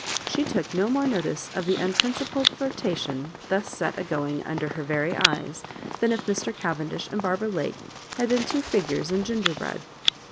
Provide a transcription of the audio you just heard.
She took no more notice of the unprincipled flirtation thus set agoing under her very eyes, than if Mr. Cavendbh and Barbara Lake had been two figures in ginger bread.